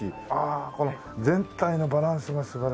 この全体のバランスが素晴らしいですよね。